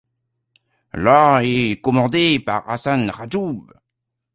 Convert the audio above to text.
La est commandée par Hassan Rajoub.